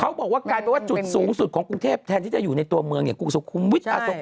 เขาบอกว่าจุดสูงสุดของกรุงเทพแทนที่จะอยู่ในตัวเมืองเนี่ยกุศุคุมวิทย์อาทรกิจ